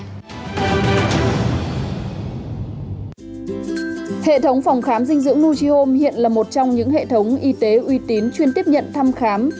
hệ thống phòng khám dinh dưỡng nugiom hiện là một trong những hệ thống y tế uy tín chuyên tiếp nhận thăm khám